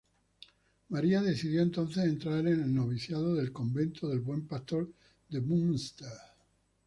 María decidió entonces entrar en el noviciado del Convento del Buen Pastor de Münster.